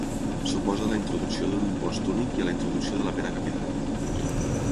S'oposa a la introducció d'un impost únic i a la introducció de la pena capital.